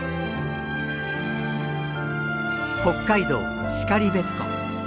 北海道然別湖。